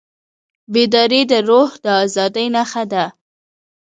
بیداري د روح د ازادۍ نښه ده.